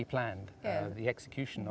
lebih mudah sebenarnya